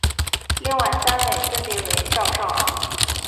另外三位分别为赵少昂。